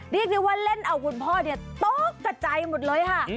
เรียกดิว่าเล่นเอาคุณพ่อต๊อกกับใจหมดเลยค่ะ